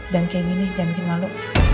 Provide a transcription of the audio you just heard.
jangan kayak gini jangan jadi malu